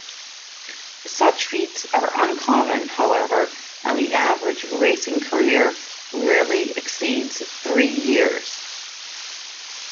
Such feats are uncommon, however, and the average racing career rarely exceeds three years.